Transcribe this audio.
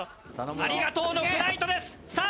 ありがとうのフライトです。さあ！